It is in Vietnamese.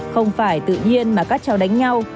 không phải tự nhiên mà các cháu đánh nhau